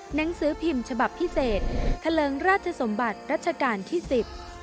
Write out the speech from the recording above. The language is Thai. หนังสือพิมพ์ฉบับพิเศษทะเลิงราชสมบัติรัชกาลที่สิบ